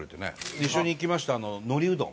一緒に行きました、のりうどん。